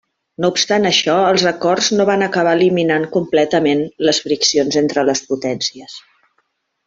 No obstant això, els acords no van acabar eliminant completament les friccions entre les potències.